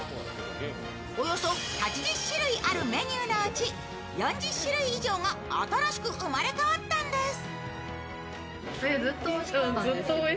およそ８０種類以上あるメニューのうち４０種類以上が新しく生まれ変わったんです。